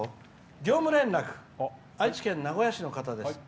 業務連絡愛知県名古屋市の方です。